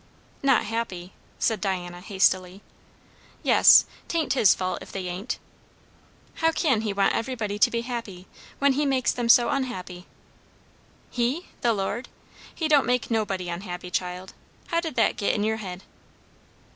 "Not happy" said Diana hastily. "Yes. 'Tain't his fault if they ain't." "How can he want everybody to be happy, when he makes them so unhappy?" "He? the Lord? He don't make nobody unhappy, child. How did that git in your head?"